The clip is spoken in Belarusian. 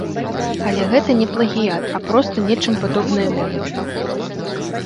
Але гэта не плагіят, а проста нечым падобныя моманты.